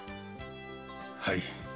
はい。